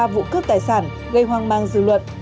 vụ cướp tài sản gây hoang mang dư luận